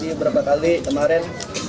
beberapa kali kemarin